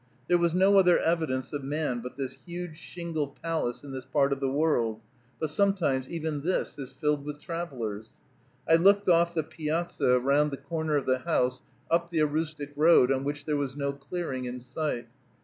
There was no other evidence of man but this huge shingle palace in this part of the world; but sometimes even this is filled with travelers. I looked off the piazza round the corner of the house up the Aroostook road, on which there was no clearing in sight.